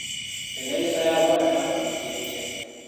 Enneeyisa y'abaana abo eri etya?